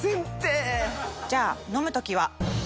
じゃあ飲む時は？